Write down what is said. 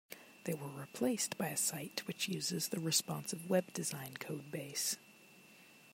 They were replaced by a site which uses the Responsive Web Design codebase.